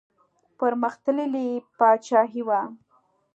پرمختللې پاچاهي وه.